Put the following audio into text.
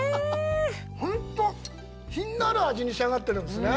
ホント品のある味に仕上がってるんですね。